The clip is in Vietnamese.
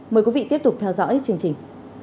mời quý vị tiếp tục theo dõi chương trình